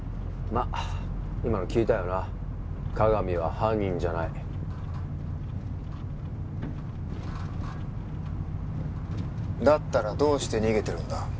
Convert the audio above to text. まっ今の聞いたよな加々見は犯人じゃないだったらどうして逃げてるんだ